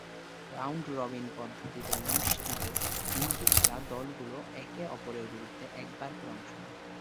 Round robin পদ্ধতিতে অনুষ্ঠিত তিনটি খেলা দলগুলো একে-অপরের বিরুদ্ধে একবার করে অংশ নেয়।